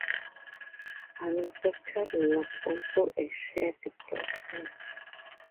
Manufacturing was also a shared process.